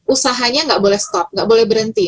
usahanya gak boleh stop gak boleh berhenti